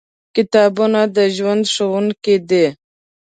کتابونه د ژوند ښوونکي دي.